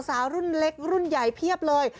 สาวรุ่นเล็กรุ่นใหญ่เพียบเลย